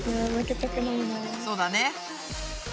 そうだね。